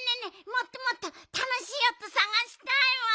もっともっとたのしいおとさがしたいわ。